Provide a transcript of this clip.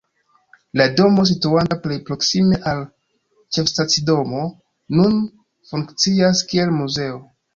La domo, situanta plej proksime al ĉefstacidomo, nun funkcias kiel muzeo.